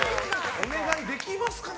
お願いできますかね。